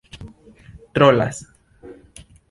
trolas